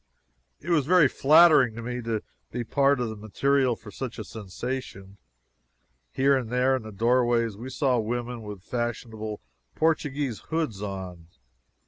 It was very flattering to me to be part of the material for such a sensation. Here and there in the doorways we saw women with fashionable Portuguese hoods on.